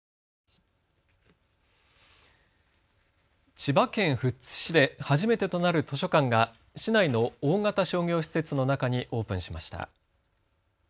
千葉県富津市で初めてとなる図書館が市内の大型商業施設の中にオープンしました。